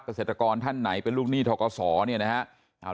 เกษตรกรท่านไหนเป็นลูกหนี้ทกศเนี่ยนะครับ